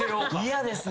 嫌ですね。